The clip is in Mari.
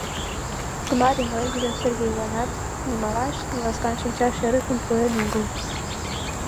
Гмарьын ойгыжо Сергейланат ни малаш, ни ласкан шинчаш эрыкым пуэн огыл.